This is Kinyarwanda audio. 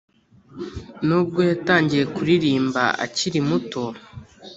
Nubwo yatangiye kuririmba akiri muto,